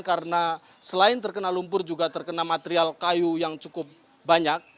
karena selain terkena lumpur juga terkena material kayu yang cukup banyak